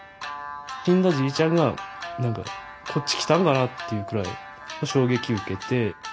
死んだじいちゃんが何かこっち来たんかなっていうくらい衝撃受けて。